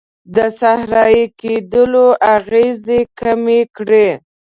د صحرایې کیدلو اغیزې کمې کړي.